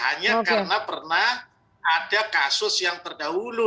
hanya karena pernah ada kasus yang terdahulu